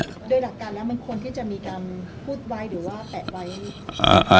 โดยหลักการแล้วมันควรที่จะมีการพูดไว้หรือว่าแตะไว้อ่า